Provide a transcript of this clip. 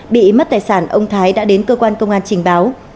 bị mất tài sản ông thái đã đến cơ quan công an trình báo